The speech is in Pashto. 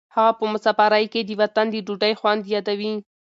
هغه په مسافرۍ کې د وطن د ډوډۍ خوند یادوي.